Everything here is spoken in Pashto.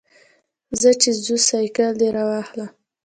ځه چې ځو، سایکل دې راواخله.